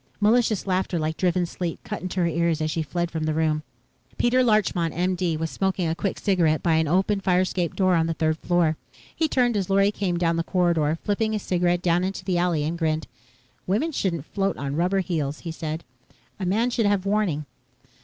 Malicious laughter, like driven sleet, cut into her ears as she fled from the room. Peter Larchmont, M.D., was smoking a quick cigarette by an open fire escape door on the third floor. He turned as Lorry came down the corridor, flipped his cigarette down into the alley and grinned. "Women shouldn't float on rubber heels," he said. "A man should have warning."